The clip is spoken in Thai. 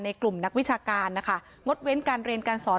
กลุ่มนักวิชาการนะคะงดเว้นการเรียนการสอน